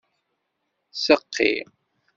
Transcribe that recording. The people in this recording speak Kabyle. Seqqi.